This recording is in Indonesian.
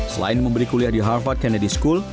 selain memberi kuliah di harvard kennedy school